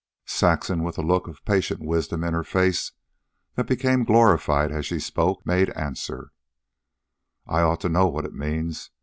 Saxon, with a look of patient wisdom in her face that became glorified as she spoke, made answer: "I ought to know what it means.